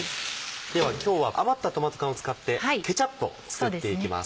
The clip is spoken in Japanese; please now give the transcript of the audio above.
では今日は余ったトマト缶を使ってケチャップを作っていきます。